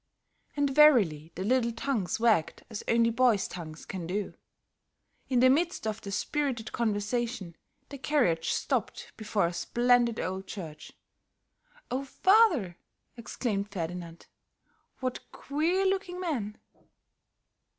And verily the little tongues wagged as only boys' tongues can do. In the midst of their spirited conversation, the carriage stopped before a splendid old church. "Oh, father," exclaimed Ferdinand, "what queer looking men!"